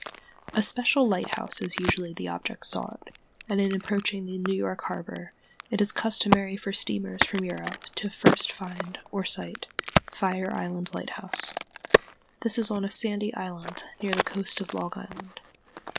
A special lighthouse is usually the object sought, and in approaching New York harbor it is customary for steamers from Europe to first find, or sight, Fire Island Lighthouse. This is on a sandy island near the coast of Long Island.